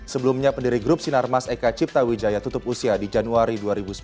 sebelumnya pendiri grup sinarmas eka cipta wijaya tutup usia di januari dua ribu sembilan belas